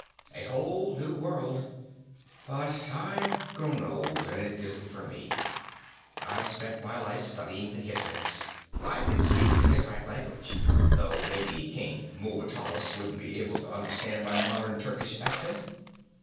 "A whole new world but I've grown old, and it isn't for me. I've spent my life studying the Hittites. I can speak the Hittite language, though maybe King Muwatallis wouldn't be able to understand my modern Turkish accent.